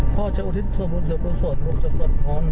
ขาดมองใครลูกหลงไปยังหลงไปยัง